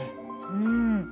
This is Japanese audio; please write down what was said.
うん。